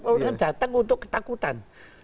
orang datang untuk ketakutan